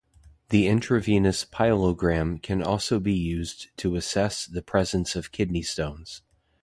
The intravenous pyelogram can also be used to assess the presence of kidney stones.